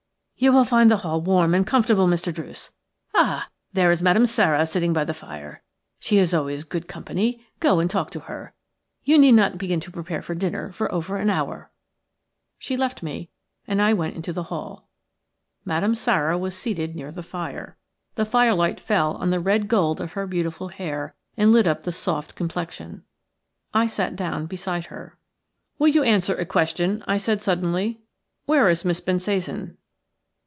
"You will find the hall warm and comfortable, Mr. Druce. Ah! there is Madame Sara sitting by the fire; she is always good company. Go and talk to her. You need not begin to prepare for dinner for over an hour." She left me and I went into the hall. Madame Sara was seated near the fire. The firelight fell on the red gold of her beautiful hair and lit up the soft complexion. I sat down beside her. "Will you answer a question?" I said, suddenly. "Where is Miss Bensasan?"